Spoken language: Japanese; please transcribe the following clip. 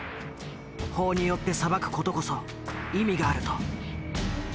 法によって裁く事こそ意味があると。